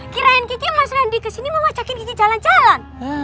kirain kiki emang mas randy kesini mau macakin kiki jalan jalan